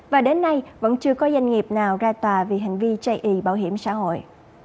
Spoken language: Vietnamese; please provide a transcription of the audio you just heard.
và đến nay vẫn chưa có doanh nghiệp nào ra tòa vì hành vi chây ý bảo hiểm xã hội